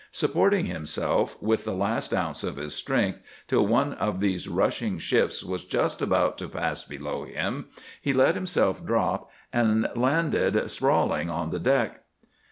Supporting himself, with the last ounce of his strength, till one of these rushing ships was just about to pass below him, he let himself drop, and landed sprawling on the deck.